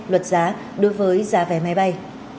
luật giá đối với giá vé máy bay